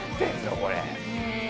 これ。